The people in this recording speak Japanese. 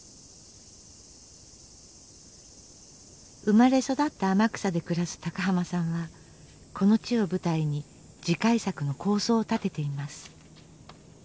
生まれ育った天草で暮らす高浜さんはこの地を舞台に次回作の構想を立てています。